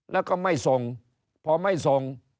แล้วก็ไม่ส่งพอไม่ส่ง